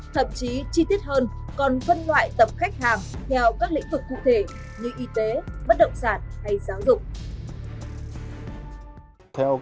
thậm chí chi tiết hơn còn phân loại tập khách hàng theo các lĩnh vực cụ thể như y tế bất động sản hay giáo dục